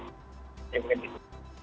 jadi mungkin itu